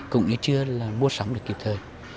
cũng như chưa mua sắm được kịp thời